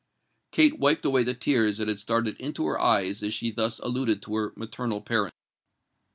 Kate wiped away the tears that had started into her eyes as she thus alluded to her maternal parent.